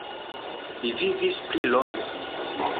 Li vivis pli longe.